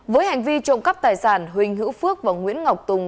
với hành vi trộm cắp tài sản huỳnh hữu phước và nguyễn ngọc tùng